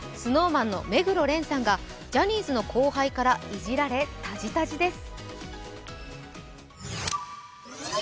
ＳｎｏｗＭａｎの目黒蓮さんがジャニーズの後輩からいじられタジタジです。